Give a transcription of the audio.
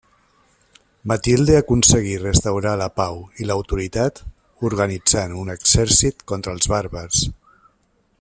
Matilde aconseguí restaurar la pau i l'autoritat organitzant un exèrcit contra els bàrbars.